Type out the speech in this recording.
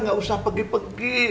gak usah pergi pergi